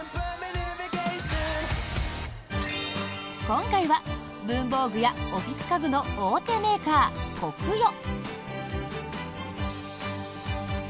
今回は文房具やオフィス家具の大手メーカー、コクヨ。